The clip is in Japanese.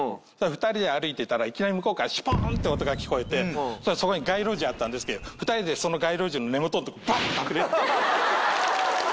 ２人で歩いてたらいきなり向こうからシュポンって音が聞こえてそこに街路樹あったんですけど２人でその街路樹の根元のとこばっと隠れ。